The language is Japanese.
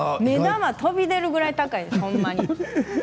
目玉飛び出るぐらい高いです。